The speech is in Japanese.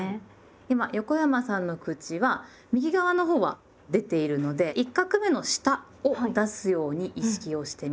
今横山さんの口は右側のほうは出ているので１画目の下を出すように意識をしてみて下さい。